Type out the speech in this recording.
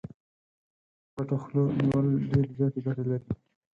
پټه خوله نيول ډېرې زياتې ګټې لري.